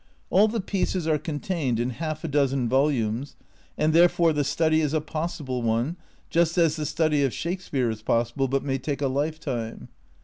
All the pieces are contained in half a dozen volumes, and therefore the study is a possible one, just as the study of Shakespeare is possible, but may take a lifetime.